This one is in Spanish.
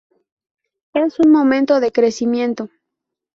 Es un momento de crecimiento".